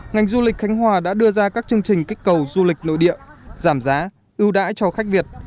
ngành du lịch khánh hòa đã đưa ra các chương trình kích cầu du lịch nội địa giảm giá ưu đãi cho khách việt